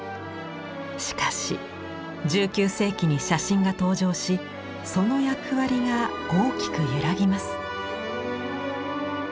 しかし１９世紀に写真が登場しその役割が大きく揺らぎます。